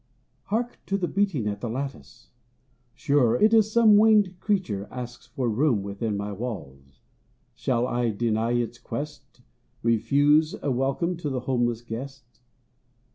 Hark to the beating at the lattice! sure It is some winged creature asks for room Within my walls. Shall I deny its quest, Refuse a welcome to the homeless guest?